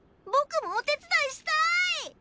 僕もお手伝いしたい！